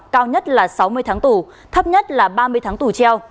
cao nhất là sáu mươi tháng tù thấp nhất là ba mươi tháng tù treo